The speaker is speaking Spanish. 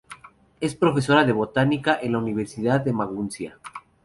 Es profesora de botánica en la Universidad de Maguncia.